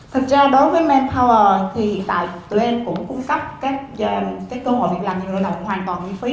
thực ra đối với manpower thì hiện tại tụi em cũng cung cấp các cơ hội việc làm cho người lao động hoàn toàn miễn phí